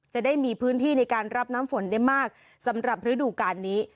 จะได้มีพื้นที่ในการรับน้ำฝนได้มากสำหรับฤดูการนี้